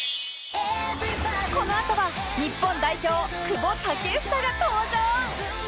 このあとは日本代表久保建英が登場！